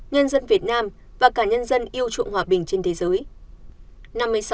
nhân dân việt nam và cả nhân dân yêu chuộng hòa bình trên thế giới